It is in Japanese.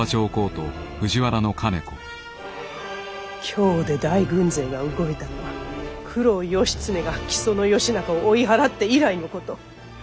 京で大軍勢が動いたのは九郎義経が木曽義仲を追い払って以来のこと。